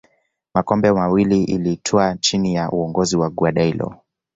makombe mawili ilitwaa chini ya uongozi wa guardiola